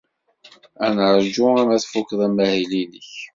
Ad neṛju arma tfuked amahil-nnek.